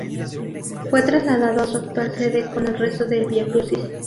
Fue trasladado a su actual sede con el rezo del Viacrucis.